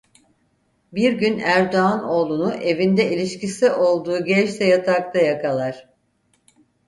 Bir gün Erdoğan oğlunu evinde ilişkisi olduğu gençle yatakta yakalar.